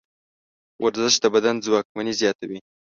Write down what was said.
ورزش د بدن ځواکمني زیاتوي.